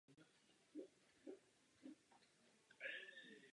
Vše musí být otevřené a transparentní, pokud nerozhodujete o odchylce.